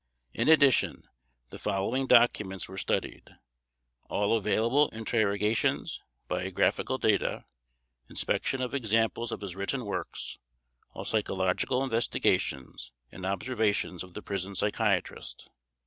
In addition, the following documents were studied: All available interrogations, biographical data, inspection of examples of his written works, all psychological investigations and observations of the prison psychiatrist.